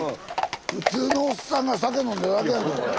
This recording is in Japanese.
普通のおっさんが酒飲んでるだけやんけこれ。